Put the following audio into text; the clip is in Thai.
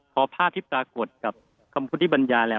เพราะภาพที่ปรากฏกับคำพูดที่บรรยา